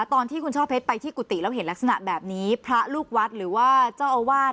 ตอนที่คุณช่อเพชรไปที่กุฏิแล้วเห็นลักษณะแบบนี้พระลูกวัดหรือว่าเจ้าอาวาส